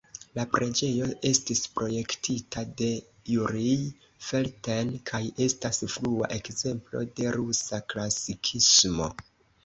La preĝejo estis projektita de Jurij Felten kaj estas frua ekzemplo de rusa klasikismo.